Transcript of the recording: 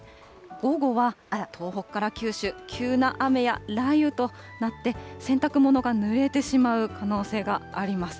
午後は東北から九州、急な雨や雷雨となって、洗濯物がぬれてしまう可能性があります。